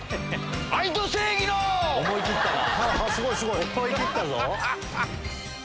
思い切ったな。